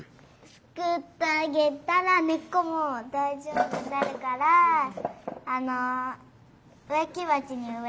すくってあげたらねっこもだいじょうぶになるからあのうえきばちにうえられる。